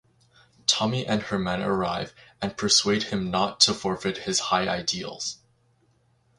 Tommy and her men arrive and persuade him not to forfeit his high ideals.